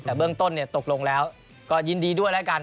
แต่เบื้องต้นตกลงแล้วก็ยินดีด้วยแล้วกัน